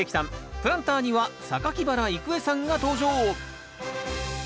プランターには原郁恵さんが登場。